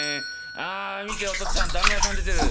ああ見てお父っつぁんだんご屋さん出てる。